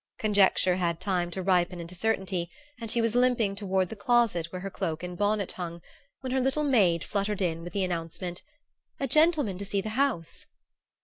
Conjecture had time to ripen into certainty, and she was limping toward the closet where her cloak and bonnet hung, when her little maid fluttered in with the announcement: "A gentleman to see the house."